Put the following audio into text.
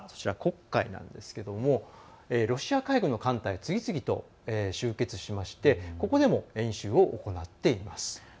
黒海なんですけれどもロシア海軍の艦隊が次々と集結しましてここでも、演習を行っています。